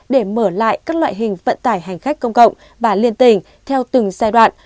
để mở lại các loại hình vận tải hành khách công cộng và liên tỉnh theo từng giai đoạn